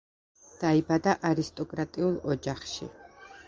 დაიბადა არისტოკრატიულ ოჯახში.